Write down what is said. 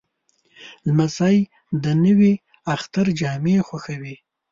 لمسی د نوي اختر جامې خوښوي.